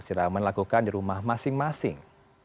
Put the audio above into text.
siraman lakukan di rumah masing masing